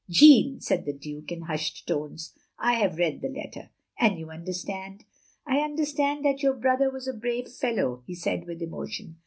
"Jeanne," said the Duke, in hushed tones, " I have read the letter. "" And you understand? "I understand that your brother was a brave fellow," he said with emotion.